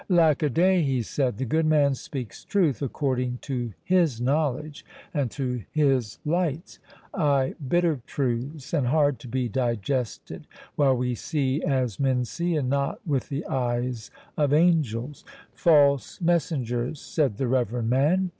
"Lack a day," he said, "the good man speaks truth, according to his knowledge and to his lights,—ay, bitter truths, and hard to be digested, while we see as men see, and not with the eyes of angels.— False messengers, said the reverend man?